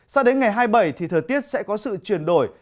sao đến ngày hai mươi bảy thì thời tiết sẽ có sự chuyển đổi